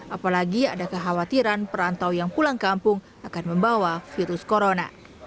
apalagi ada kekhawatiran perantau yang pulang kampung akan membawa virus corona